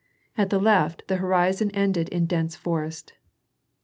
At the left, the horizon ended in dense forest.